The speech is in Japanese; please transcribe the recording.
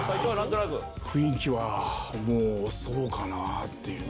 雰囲気はもうそうかな？っていう。